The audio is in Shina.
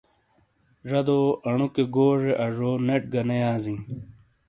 زادو انو کے گوزے آزو نیٹ گہ نے یا زیں ۔